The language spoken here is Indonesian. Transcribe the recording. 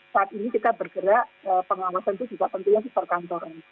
saat ini kita bergerak pengawasan itu juga tentunya di perkantoran